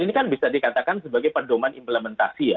ini kan bisa dikatakan sebagai pedoman implementasi ya